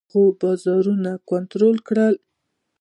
هغه بازارونه کنټرول کړل.